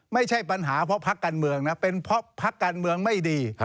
ไม่ใช่ปัญหาเพราะพักการเมืองนะเป็นเพราะพักการเมืองไม่ดี